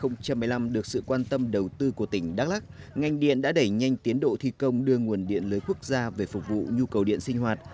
năm hai nghìn một mươi năm được sự quan tâm đầu tư của tỉnh đắk lắc ngành điện đã đẩy nhanh tiến độ thi công đưa nguồn điện lưới quốc gia về phục vụ nhu cầu điện sinh hoạt